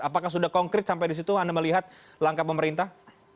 apakah sudah konkret sampai di situ anda melihat langkah pemerintah